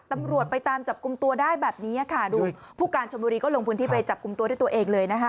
ตำรวจไปตามจับกลุ่มตัวได้แบบนี้ค่ะดูผู้การชนบุรีก็ลงพื้นที่ไปจับกลุ่มตัวด้วยตัวเองเลยนะคะ